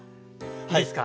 いいですか？